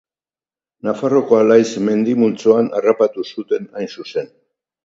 Nafarroako Alaitz mendi-multzoan harrapatu zuten hain zuzen.